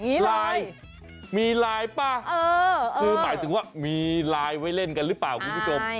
มีไลน์มีไลน์ป่ะคือหมายถึงว่ามีไลน์ไว้เล่นกันหรือเปล่าคุณผู้ชม